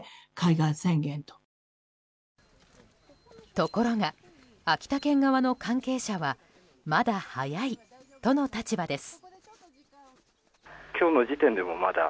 ところが、秋田県側の関係者はまだ早いとの立場です。